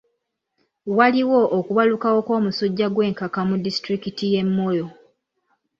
Waliwo okubalukawo kw'omusujja gw'enkaka mu disitulikiti y'e Moyo.